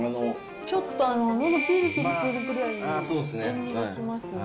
ちょっと、のどぴりぴりするくらいの塩味が来ますね。